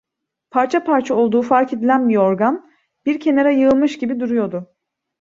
Parça parça olduğu fark edilen bir yorgan, bir kenara yığılmış gibi duruyordu.